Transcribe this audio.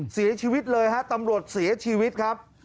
เสียชีวิตเลยฮะตำรวจเสียชีวิตครับ